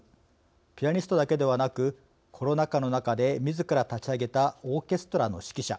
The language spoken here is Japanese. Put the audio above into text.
ピアニストだけではなくコロナ禍の中で自ら立ち上げたオーケストラの指揮者。